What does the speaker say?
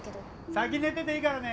先寝てていいからね。